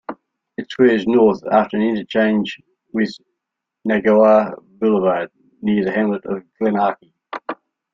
It swerves north after an interchange with Neyagawa Boulevard, near the hamlet of Glenarchy.